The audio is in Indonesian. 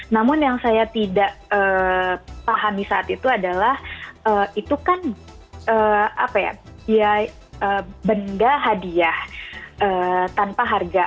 namun yang saya tidak pahami saat itu adalah itu kan benda hadiah tanpa harga